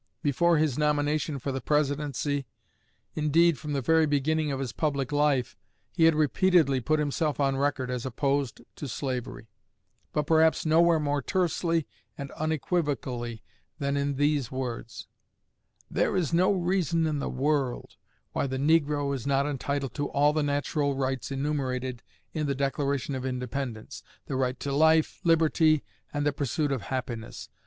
Before his nomination for the Presidency indeed, from the very beginning of his public life he had repeatedly put himself on record as opposed to slavery, but perhaps nowhere more tersely and unequivocally than in these words: "There is no reason in the world why the negro is not entitled to all the natural rights enumerated in the Declaration of Independence the right to life, liberty, and the pursuit of happiness.